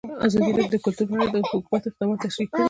ازادي راډیو د کلتور په اړه د حکومت اقدامات تشریح کړي.